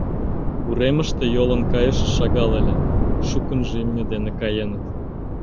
Уремыште йолын кайыше шагал ыле, шукынжо имне дене каеныт.